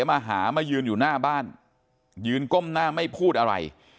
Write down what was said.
มาหามายืนอยู่หน้าบ้านยืนก้มหน้าไม่พูดอะไร